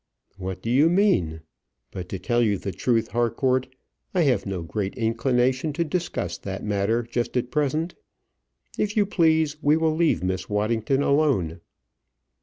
"What do you mean? But to tell you the truth, Harcourt, I have no great inclination to discuss that matter just at present. If you please, we will leave Miss Waddington alone."